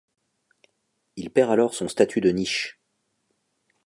Il perd alors son statut de niche.